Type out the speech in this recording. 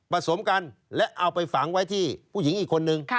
สมกันและเอาไปฝังไว้ที่ผู้หญิงอีกคนนึง